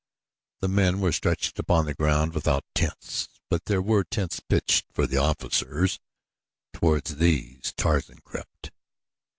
The men were stretched upon the ground without tents; but there were tents pitched for the officers. Toward these Tarzan crept.